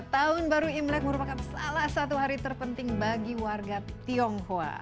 tahun baru imlek merupakan salah satu hari terpenting bagi warga tionghoa